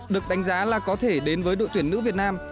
được đánh giá là có thể đến với đội tuyển nữ việt nam